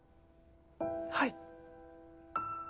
はい。